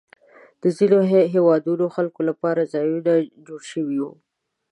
د ځینو هېوادونو خلکو لپاره ځایونه جوړ شوي وو.